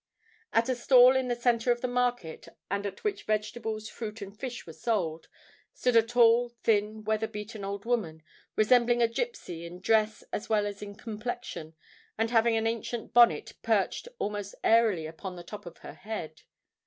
At a stall in the centre of the market, and at which vegetables, fruit, and fish were sold, stood a tall, thin, weather beaten old woman, resembling a gipsey in dress as well as in complexion, and having an ancient bonnet perched most airily upon the top of her head.